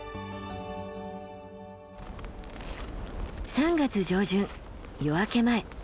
３月上旬夜明け前。